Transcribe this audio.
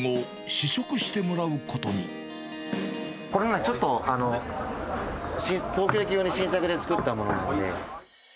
これね、ちょっと、東京駅用に新作で作ったものなんで。